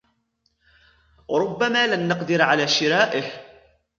ربما لن نقدر على شرائه.